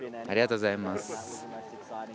ありがとうございます。